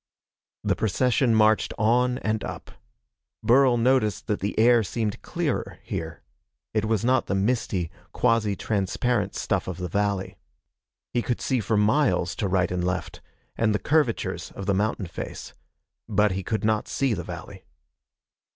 The procession marched on and up. Burl noticed that the air seemed clearer, here. It was not the misty, quasi transparent stuff of the valley. He could see for miles to right and left, and the curvatures of the mountain face. But he could not see the valley.